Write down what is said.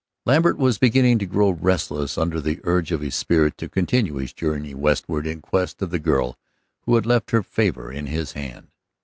Lambert was beginning to grow restless under the urge of his spirit to continue his journey westward in quest of the girl who had left her favor in his hand.